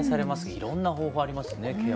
いろんな方法ありますねケア。